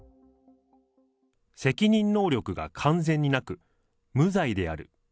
責任能力が完全になく、無罪である。